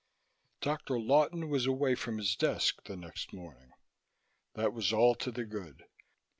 VIII Dr. Lawton was "away from his desk" the next morning. That was all to the good.